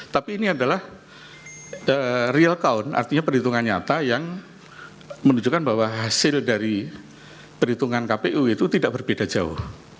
tapi ini adalah real count artinya perhitungan nyata yang menunjukkan bahwa hasil dari perhitungan kpu itu tidak berbeda jauh